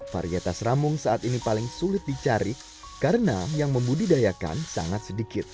varietas ramung saat ini paling sulit dicari karena yang membudidayakan sangat sedikit